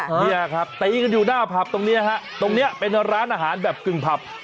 เนี่ยครับตีกันอยู่หน้าผับตรงนี้ฮะตรงนี้เป็นร้านอาหารแบบกึ่งผับ